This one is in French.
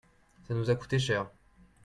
ça nous a coûté cher.